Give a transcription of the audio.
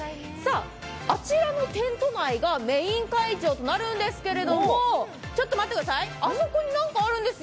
あちらのテント内がメイン会場となるんですけれどもちょっと待ってください、あそこに何かあるんですよ。